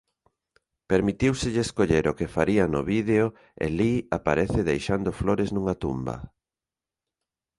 Permitíuselle escoller o que faría no vídeo e Lee aparece deixando flores nunha tumba.